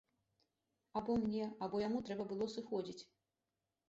Або мне, або яму трэба было сыходзіць.